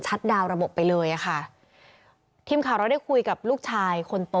จาว่ามาไม่ถึงบ้าน